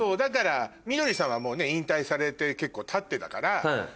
みどりさんはもうね引退されて結構たってたからみどり愛。